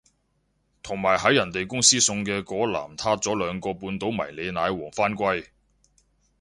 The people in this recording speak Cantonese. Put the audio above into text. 同埋喺人哋公司送嘅嗰籃撻咗兩個半島迷你奶黃返歸